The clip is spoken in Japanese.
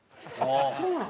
そうなの？